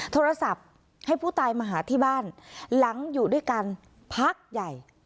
โทรศัพท์ให้ผู้ตายมาหาที่บ้านหลังอยู่ด้วยกันพักใหญ่